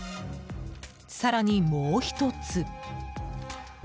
更に、もう１つ。